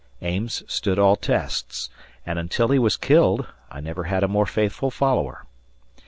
Ames stood all tests, and until he was killed I never had a more faithful follower.